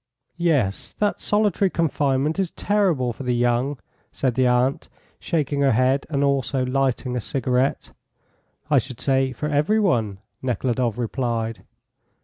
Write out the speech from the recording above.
"Yes, that solitary confinement is terrible for the young," said the aunt, shaking her head and also lighting a cigarette. "I should say for every one," Nekhludoff replied.